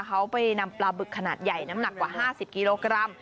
เขาไปนำปลาบึกขนาดใหญ่น้ำหนักกว่า๕๐กิโลกรัม